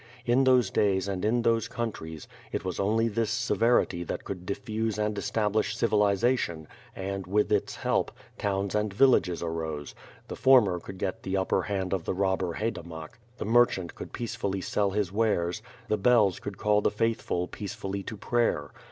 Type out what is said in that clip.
In those days and in those countries, it was only this severity that could diffuse and establish civilization and, with its help, towns and villages arose; the former could get the upper hand of the robber haydamak, the merchant could peacefully sell his wares, the bells could call the faithful peacefully to prayer.